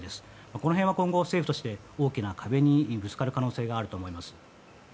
この辺は、今後政府として大きな壁にぶつかる可能性があると思います。